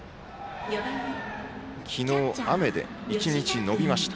昨日、雨で１日延びました。